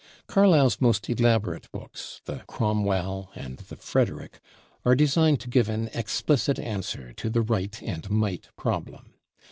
Carlyle's most elaborate books, the 'Cromwell' and the 'Frederick,' are designed to give an explicit answer to the "right" and "might" problem.